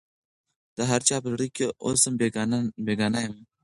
د هر چا په زړه کي اوسم بېګانه یم